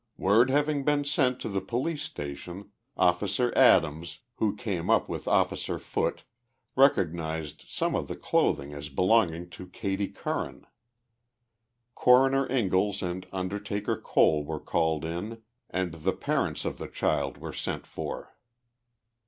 AVord having been sent to the police station. Officer Adams, who came up with Officer Foote, recognized some of the clothing as belonging to Katie Curran. Coroner Ingalls and Undertaker Cole were called in and the parents of the child were sent for.